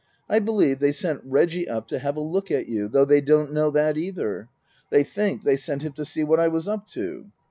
I believe they sent Reggie up to have a look at you, though they don't know that either. They think they sent him to see what I was up to.